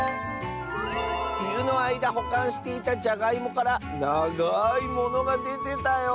「ふゆのあいだほかんしていたじゃがいもからながいものがでてたよ！」。